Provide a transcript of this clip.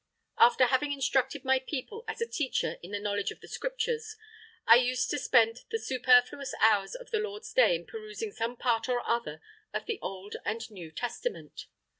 "After having instructed my people as a teacher in the knowledge of the Scriptures, I used to spend the superfluous hours of the Lord's Day in perusing some part or other of the Old and New Testament.